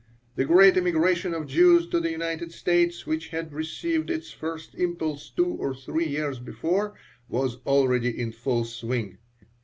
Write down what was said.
The great emigration of Jews to the United States, which had received its first impulse two or three years before, was already in full swing.